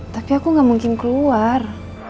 tapi aku gak mungkin keluar